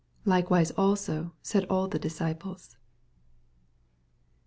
Likewise also said all tht disciples.